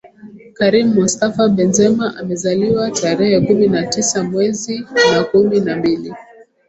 Karim Mostafa Benzema amezaliwa tarehe kumi na tisa mwezi wa kumi na mbili